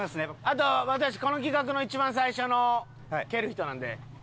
あと又吉この企画の一番最初の蹴る人なんで。